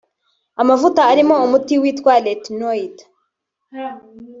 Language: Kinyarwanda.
Amavuta arimo umuti witwa “retinoid”